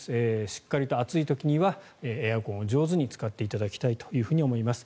しっかりと暑い時にはエアコンを上手に使っていただきたいと思います。